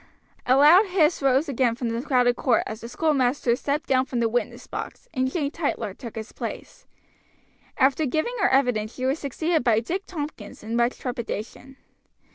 A loud hiss rose again from the crowded court as the schoolmaster stepped down from the witness box, and Jane Tytler took his place. After giving her evidence she was succeeded by Dick Tompkins in much trepidation.